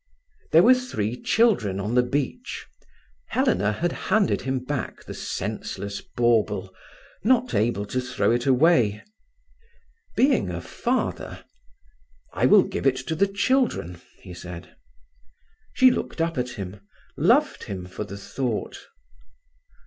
There were three children on the beach. Helena had handed him back the senseless bauble, not able to throw it away. Being a father: "I will give it to the children," he said. She looked up at him, loved him for the thought.